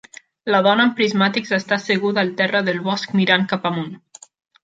La dona amb prismàtics està asseguda al terra del bosc mirant cap amunt.